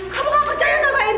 kamu gak percaya sama ibu